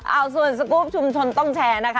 เอาส่วนสกรูปชุมชนต้องแชร์นะคะ